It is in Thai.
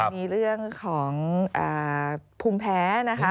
มีเรื่องของภูมิแพ้นะคะ